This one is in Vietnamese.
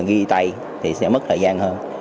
ghi tay thì sẽ mất thời gian hơn